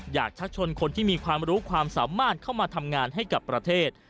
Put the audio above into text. ชักชวนคนที่มีความรู้ความสามารถเข้ามาทำงานให้กับประเทศ